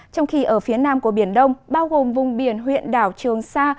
trong khi ở phía nam của biển đông bao gồm vùng biển huyện đảo trường sa